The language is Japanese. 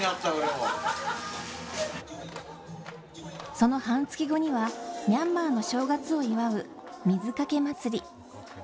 その半月後にはミャンマーの正月を祝う水かけ祭り。